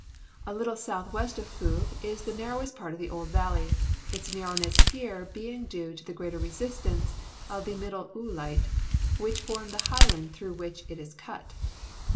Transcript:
A little southwest of Foug is the narrowest part of the old valley, its narrowness here being due to the greater resistance of the middle Oolite, which form the highland through which it is cut.